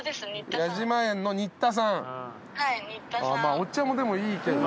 お茶もでもいいけどね。